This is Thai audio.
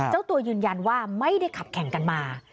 เจ้าตัวยืนยันว่าไม่ได้ขับแข่งกันมา